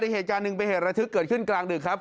เหตุการณ์หนึ่งเป็นเหตุระทึกเกิดขึ้นกลางดึกครับ